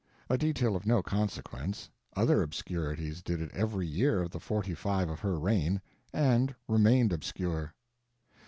A detail of no consequence: other obscurities did it every year of the forty five of her reign. And remained obscure.